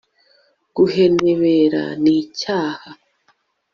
guhenebera nicyaha